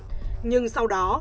nhưng sau đó